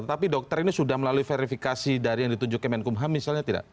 tapi dokter ini sudah melalui verifikasi dari yang ditunjuk kemenkum ham misalnya tidak